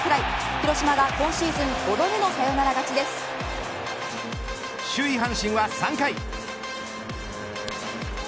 広島が今シーズン５度目の首位、阪神は３回。